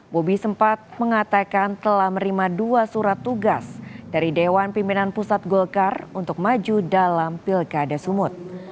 bobi sempat mengatakan telah menerima dua surat tugas dari dewan pimpinan pusat golkar untuk maju dalam pilkada sumut